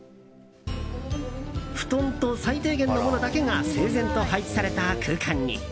布団と最低限のものだけが整然と配置された空間に。